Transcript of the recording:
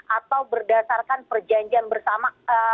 atau berdasarkan perjanjian bersama